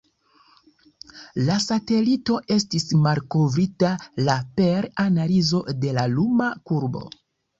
La satelito estis malkovrita la per analizo de la luma kurbo.